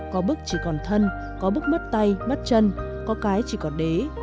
có bức chỉ còn thân có bức mất tay mất chân có cái chỉ còn đế